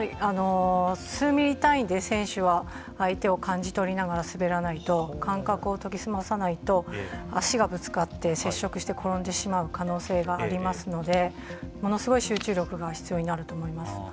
数ミリ単位で選手は相手を感じ取りながら滑らないと感覚を研ぎ澄まさないと足がぶつかって接触して転んでしまう可能性がありますのでものすごい集中力が必要になると思います。